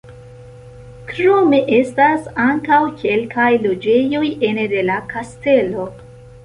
Krome estas ankaŭ kelkaj loĝejoj ene de la kastelo.